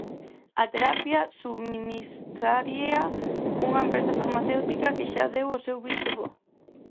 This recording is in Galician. A terapia subministraríaa unha empresa farmacéutica que xa deu o seu visto bo.